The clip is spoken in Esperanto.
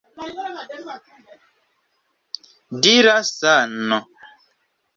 Dira Sano!